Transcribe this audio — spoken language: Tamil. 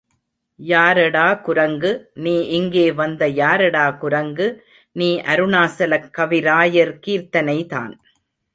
யாரடா குரங்கு நீ இங்கே வந்த யாரடா குரங்கு நீ அருணாசலக் கவிராயர் கீர்த்தனைதான்.